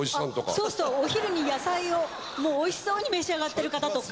そうそうお昼に野菜をおいしそうに召し上がってる方とか。